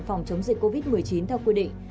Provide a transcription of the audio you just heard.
phòng chống dịch covid một mươi chín theo quy định